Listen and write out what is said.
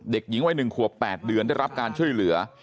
เด็กหญิงวัย๑ขวบ๘เดือนได้รับการช่วยเหลือ